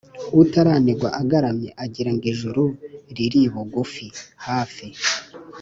Utaranigwa agaramye agira ngo ijuru riri bugufi (hafi).